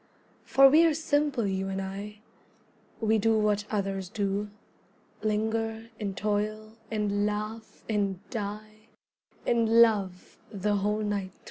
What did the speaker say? For we are simple, you and I, We do what others do, Linger and toil and laugh and die And love the whole night through.